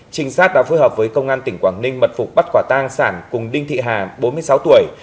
trinh sát đã phối hợp với công an tỉnh quảng ninh mật phục bắt quả tang sản cùng đinh thị hà bốn mươi sáu tuổi